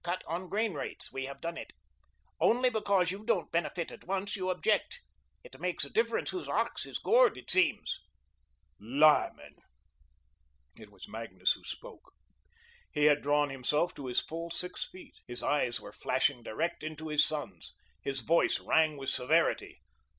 cut on grain rates. We have done it. Only because you don't benefit at once, you object. It makes a difference whose ox is gored, it seems." "Lyman!" It was Magnus who spoke. He had drawn himself to his full six feet. His eyes were flashing direct into his son's. His voice rang with severity.